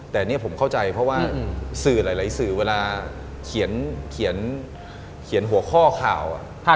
แต่นี่ผมเข้าใจเพราะว่าสื่อหลายสื่อเวลาเขียนหัวข้อข่าว